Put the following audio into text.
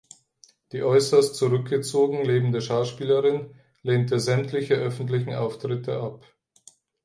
Die äußerst zurückgezogen lebende Schauspielerin lehnte sämtliche öffentlichen Auftritte ab.